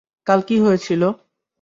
কাল কী হয়েছিল?